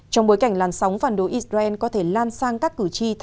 trong bối cảnh làn sóng phản đối israel có thể lan sang các cử tri